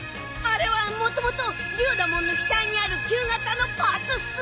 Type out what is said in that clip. あれはもともとリュウダモンの額にある旧型のパーツっす！